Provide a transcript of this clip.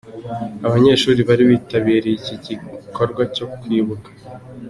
Abanyeshuri bari bitabiriye iki gikorwa cyo kwibuka.